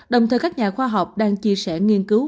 đồng thời các nhà khoa học đang chia sẻ nghiên cứu